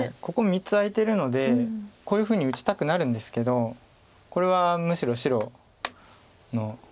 ここ３つ空いてるのでこういうふうに打ちたくなるんですけどこれはむしろ白の。